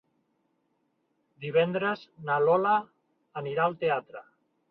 Divendres na Lola anirà al teatre.